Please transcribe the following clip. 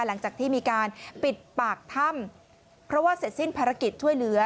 หลังจากที่มีการปิดปากถ้ำเพราะว่าเสร็จสิ้นภารกิจช่วยเหลือ